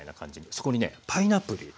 そこにねパイナップル入れとく。